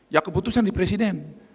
ya keputusan di presiden